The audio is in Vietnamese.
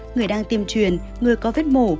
người đang tiềm truyền người có vết mổ